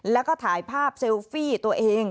แล้วก็ถ่ายภาพเซลฟี่ตัวเอง